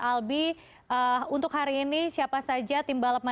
albi untuk hari ini siapa saja tim balap mana